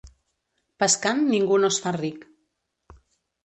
Pescant ningú no es fa ric.